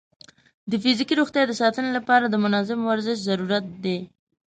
د فزیکي روغتیا د ساتنې لپاره د منظم ورزش ضرورت دی.